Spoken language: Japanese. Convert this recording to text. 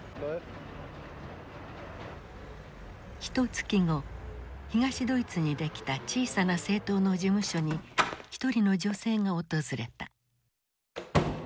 ひとつき後東ドイツにできた小さな政党の事務所に一人の女性が訪れた。